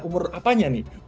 umur apanya nih